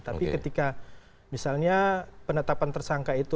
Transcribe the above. tapi ketika misalnya penetapan tersangka itu